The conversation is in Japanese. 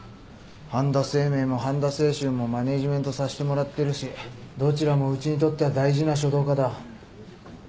半田清明も半田清舟もマネジメントさしてもらってるしどちらもうちにとっては大事な書道家だ。